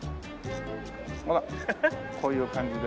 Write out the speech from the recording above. ほらこういう感じで。